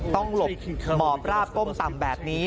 หลบหมอบราบก้มต่ำแบบนี้